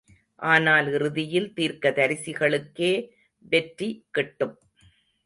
ஆனால் இறுதியில் தீர்க்கதரிசிகளுக்கே வெற்றி கிட்டும்.